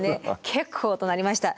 結構となりました。